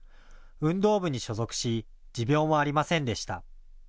運動部に所属し持病もありませんでした。